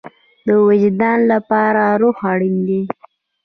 د وجدان لپاره روح اړین دی